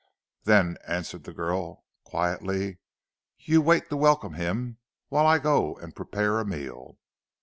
"Then," answered the girl quietly, "you wait to welcome him, whilst I go and prepare a meal."